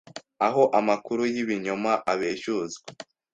aho amakuru y'ibinyoma abeshyuzwa